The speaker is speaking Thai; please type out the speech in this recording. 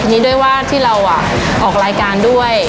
นี้ด้วยว่าที่เราออกรายการด้วย